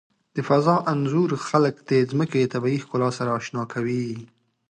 د فضا انځور خلک د ځمکې د طبیعي ښکلا سره آشنا کوي.